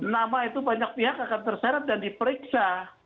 nama itu banyak pihak akan terseret dan diperiksa